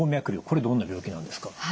これどんな病気なんですか？